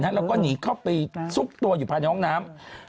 แล้วก็หนีเข้าไปซุกตัวอยู่ภายในห้องน้ำ